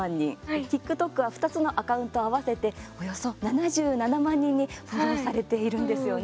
ＴｉｋＴｏｋは２つのアカウントを合わせておよそ７７万人にフォローされているんですよね。